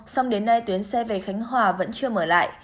xong đến nay tuyến xe về khánh hòa vẫn chưa mở lại